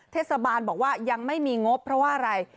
เทศบาลบอกว่ายังไม่มีงบเพราะว่าอะไร